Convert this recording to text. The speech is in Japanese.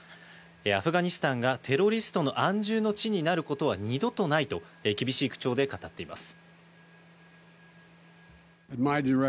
アフガニスタンがテロリストの安住の地になることは二度とないと厳しい口調で語っています。